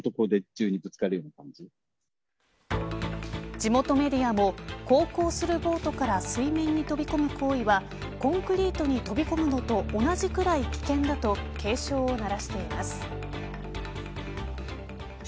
地元メディアも航行するボートから水面に飛び込む行為はコンクリートに飛び込むのと同じくらい危険だと警鐘を鳴らしています。